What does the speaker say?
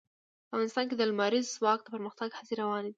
افغانستان کې د لمریز ځواک د پرمختګ هڅې روانې دي.